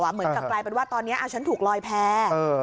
เหมือนกับกลายเป็นว่าตอนนี้ฉันถูกลอยแพ้